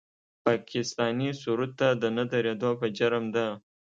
پاکستاني سرود ته د نه درېدو په جرم د